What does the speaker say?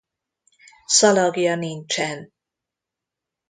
Szalagja nincsen.